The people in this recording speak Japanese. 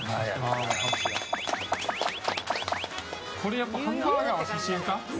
やっぱりハンバーガーは写真か。